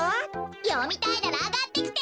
よみたいならあがってきて！